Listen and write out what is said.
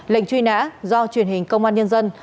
lệnh truy nã do truyền hình công an nhân dân